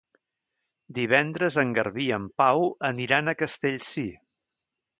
Divendres en Garbí i en Pau aniran a Castellcir.